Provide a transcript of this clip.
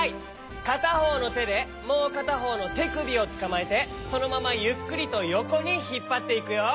かたほうのてでもうかたほうのてくびをつかまえてそのままゆっくりとよこにひっぱっていくよ。